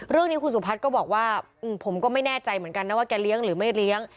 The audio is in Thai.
เรื่องนี้คุณสุพัฒน์ก็บอกว่าผมก็ไม่แน่ใจเหมือนกันนะว่าแกเลี้ยงหรือไม่เลี้ยง